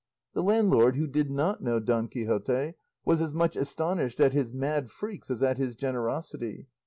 The landlord, who did not know Don Quixote, was as much astonished at his mad freaks as at his generosity.